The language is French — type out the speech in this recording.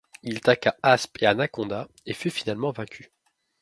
Il attaqua Asp et Anaconda et fut finalement vaincu.